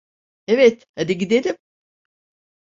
Evet, hadi gidelim.